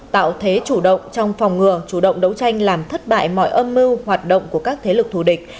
tạo thế chủ động trong phòng ngừa chủ động đấu tranh làm thất bại mọi âm mưu hoạt động của các thế lực thù địch